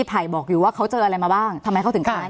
ไผ่บอกอยู่ว่าเขาเจออะไรมาบ้างทำไมเขาถึงขนาดนั้น